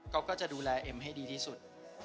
ก็จะดูแลเอ็มให้ดีที่สุด